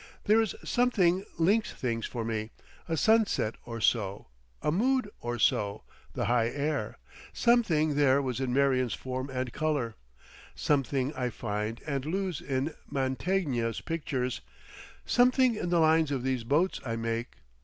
There is something links things for me, a sunset or so, a mood or so, the high air, something there was in Marion's form and colour, something I find and lose in Mantegna's pictures, something in the lines of these boats I make.